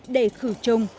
để khử chung